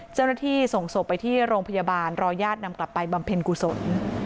เจ้าหน้าที่ส่งศพไปที่โรงพยาบาลรอญาตินำกลับไปบำเพ็ญกุศล